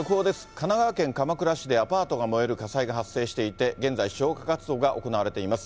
神奈川県鎌倉市でアパートが燃える火災が発生していて、現在、消火活動が行われています。